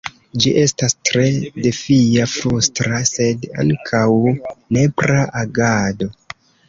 Ĝi estas tre defia, frustra, sed ankaŭ nepra agado.